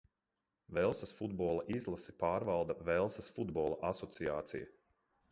Velsas futbola izlasi pārvalda Velsas Futbola asociācija.